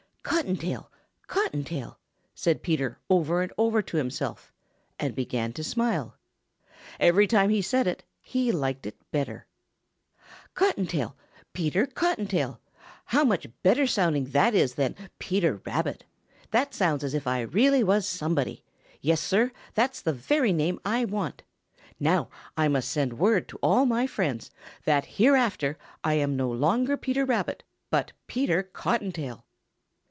"Cottontail, Cottontail." said Peter over and over to himself and began to smile. Every time he said it he liked it better. [Illustration: 0024] "Cottontail, Peter Cottontail! How much better sounding that is than Peter Rabbit! That sounds as if I really was somebody. Yes, Sir, that's the very name I want. Now I must send word to all my friends that hereafter I am no longer Peter Rabbit, but Peter Cottontail."